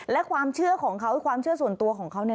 และความเชื่อของเขาความเชื่อส่วนตัวของเขาเนี่ย